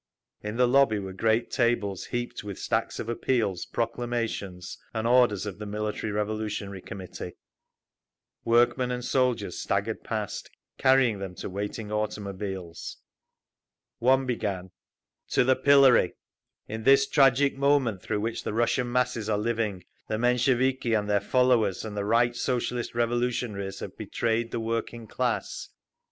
In the lobby were great tables heaped with stacks of appeals, proclamations and orders of the Military Revolutionary Committee. Workmen and soldiers staggered past, carrying them to waiting automobiles. One began: TO THE PILLORY! In this tragic moment through which the Russian masses are living, the Mensheviki and their followers and the Right Socialist Revolutionaries have betrayed the working class.